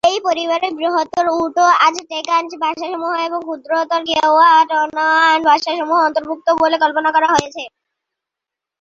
এই পরিবারে বৃহত্তর উটো-আজটেকান ভাষাসমূহ এবং ক্ষুদ্রতর কিওয়া-তানোয়ান ভাষাসমূহ অন্তর্ভুক্ত বলে কল্পনা করা হয়েছে।